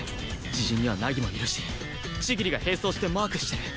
自陣には凪もいるし千切が並走してマークしてる